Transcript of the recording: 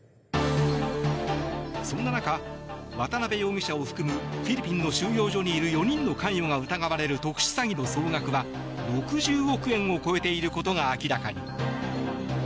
そんな中、渡邉容疑者を含むフィリピンの収容所にいる４人の関与が疑われる特殊詐欺の総額は６０億円を超えていることが明らかに。